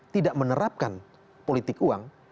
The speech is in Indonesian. tidak menerapkan politik uang